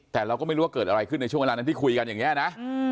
แต่เราก็ไม่รู้ว่าเกิดอะไรขึ้นในช่วงเวลานั้นที่คุยกันอย่างนี้นะ